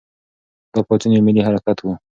دا پاڅون یو ملي حرکت و.